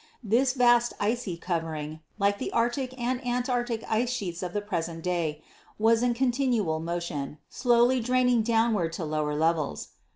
"This vast icy covering, like the Arctic and Antarctic ice sheets of the present day, was in continual motion, slowly draining downward to lower levels.